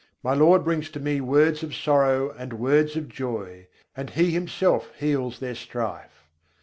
My Lord brings to me words of sorrow and words of joy, and He Himself heals their strife.